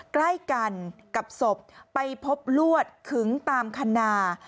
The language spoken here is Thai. ใกล้กันกับศพไปพบลวดขึงตามคณา